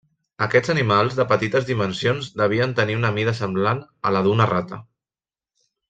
Aquests animals de petites dimensions devien tenir una mida semblant a la d'una rata.